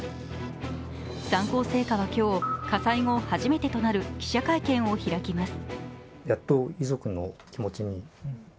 三幸製菓は今日、火災後初めてとなる記者会見を開きます。